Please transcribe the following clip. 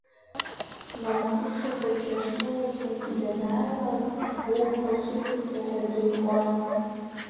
Марфуша хәыҷы ашколахьынтәи данааилак убӷа сықәыртәа ҳәа дылкуан.